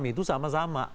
enam itu sama sama